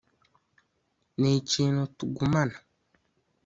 Ni ikintu tugumana